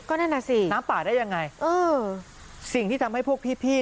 ก็นั่นน่ะสิน้ำป่าได้ยังไงเออสิ่งที่ทำให้พวกพี่พี่